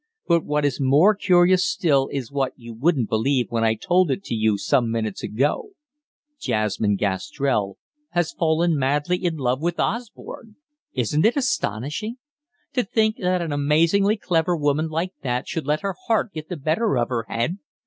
But what is more curious still is what you wouldn't believe when I told it to you some minutes ago Jasmine Gastrell has fallen madly in love with Osborne! Isn't it astonishing? To think that an amazingly clever woman like that should let her heart get the better of her head.